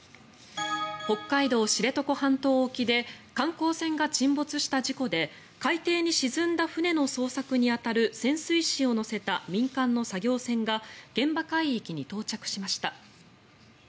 北海道・知床半島沖で観光船が沈没した事故で海底に沈んだ船の捜索に当たる潜水士を乗せた民間の作業船が現場海域に到着しました。